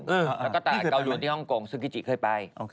แล้วก็ตลาดเกาล้วนที่ฮ่องกงซึ่งกิจิเคยไป